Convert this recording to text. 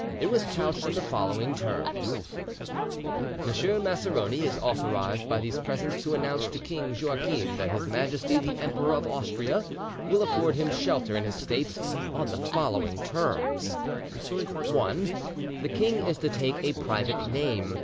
It was couched in the following terms: "Monsieur Maceroni is authorised by these presents to announce to King Joachim that His Majesty the Emperor of Austria will afford him shelter in his States on the following terms:— "1. The king is to take a private name.